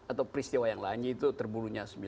atau peristiwa yang lainnya itu